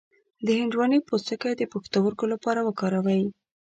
د هندواڼې پوستکی د پښتورګو لپاره وکاروئ